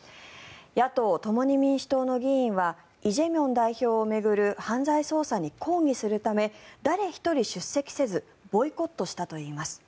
野党・共に民主党の議員はイ・ジェミョン代表を巡る犯罪捜査に抗議するため誰一人出席せずボイコットしたといいます。